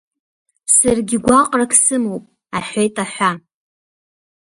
Саргьы гәаҟрак сымоуп, — аҳәеит аҳәа.